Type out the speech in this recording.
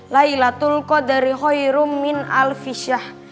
laylatul qadar khoyrum min al fisyah